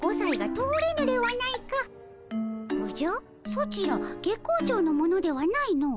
ソチら月光町の者ではないの。